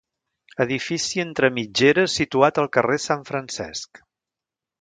Edifici entre mitgeres situat al carrer Sant Francesc.